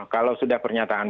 kalau sudah pernyataan